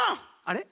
あれ？